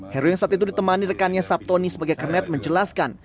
heru yang saat itu ditemani rekannya sabtoni sebagai kernet menjelaskan